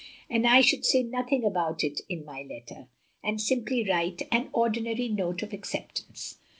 And I should say nothing about it in my letter; and simply write an ordinary note of acceptance."